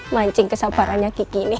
mancing kesabarannya kiki nih